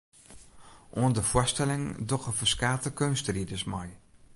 Oan de foarstelling dogge ferskate keunstriders mei.